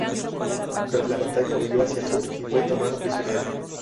Tras la batalla huyó hacia el sur y fue tomado prisionero.